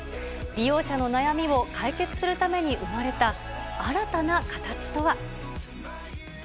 利用者の悩みを解決するために生まれた、新たな形とは。